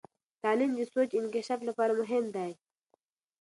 تعلیم د سوچ انکشاف لپاره مهم دی.